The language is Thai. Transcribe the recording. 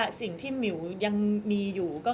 ก็ต้องฝากพี่สื่อมวลชนในการติดตามเนี่ยแหละค่ะ